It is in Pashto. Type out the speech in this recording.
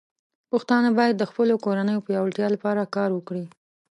پښتانه بايد د خپلو کورنيو پياوړتیا لپاره کار وکړي.